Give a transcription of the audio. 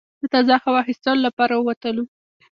د تازه هوا اخیستلو لپاره ووتلو.